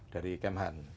dari kem han